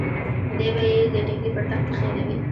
دی به یې د ډهلي پر تخت کښېنوي.